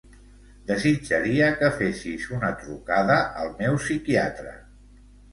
Desitjaria que fessis una trucada al meu psiquiatre.